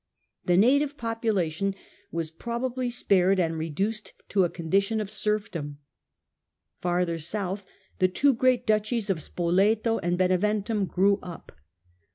The native population was probably spared and reduced to a condition of serfdom. Farther south the two great Duchies of Spoleto and Beneventum grew up.